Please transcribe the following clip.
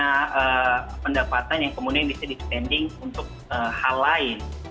punya pendapatan yang kemudian bisa di spending untuk hal lain